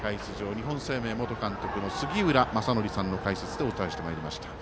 日本生命元監督の杉浦正則さんの解説でお伝えしてまいりました。